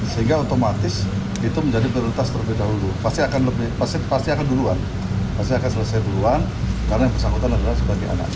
sehingga otomatis itu menjadi penuntut